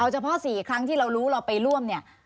เฉพาะ๔ครั้งที่เรารู้เราไปร่วมเนี่ย